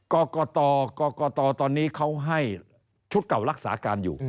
กรกตกรกตตอนนี้เขาให้ชุดเก่ารักษาการอยู่